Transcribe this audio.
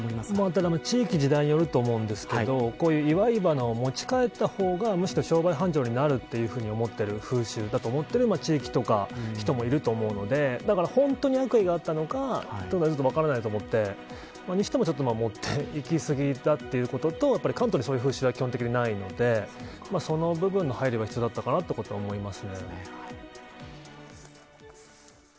ただ、地域や時代によると思うんですけどこういう祝い花を持ち帰った方がむしろ商売繁盛になると思ってる風習とか地域の人もいると思うのでだから本当に悪意があったのか分からないと思ってそれにしても持っていきすぎだということとあと関東にそういう風習は基本的にないのでその部分の配慮が必要だったかなと思います。